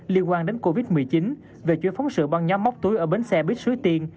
liên quan đến covid một mươi chín về chuỗi phóng sự băng nhóm móc túi ở bến xe buýt suối tiên